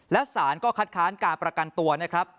และสารก็คัดค้านการประกันตัวนะครับ